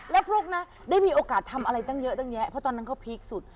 แล้วฟลุ๊กนะได้มีโอกาสทำอะไรตั้งเยอะตั้งแยะเพราะตอนนั้นเขาพีคสุด